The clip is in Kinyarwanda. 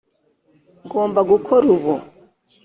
ngomba gukora ubu.